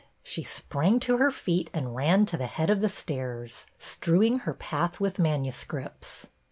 She sprang to her feet and ran to the head of the stairs, strewing her path with manuscripts.